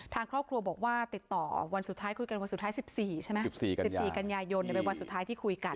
ทางครอบครัวบอกว่าติดต่อวันสุดท้ายคุยกันวันสุดท้าย๑๔ใช่ไหม๑๔กันยายนเป็นวันสุดท้ายที่คุยกัน